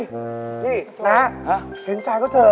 ไม่มีอะไรของเราเล่าส่วนฟังครับพี่